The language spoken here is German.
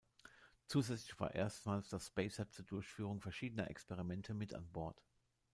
Zusätzlich war erstmals das Spacehab zur Durchführung verschiedener Experimente mit an Bord.